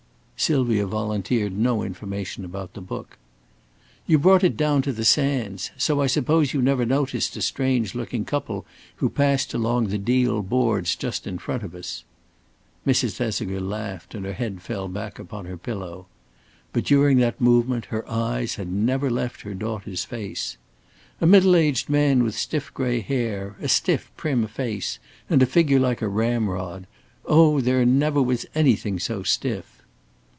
Sylvia volunteered no information about that book. "You brought it down to the sands. So I suppose you never noticed a strange looking couple who passed along the deal boards just in front of us." Mrs. Thesiger laughed and her head fell back upon her pillow. But during that movement her eyes had never left her daughter's face. "A middle aged man with stiff gray hair, a stiff, prim face, and a figure like a ramrod. Oh, there never was anything so stiff."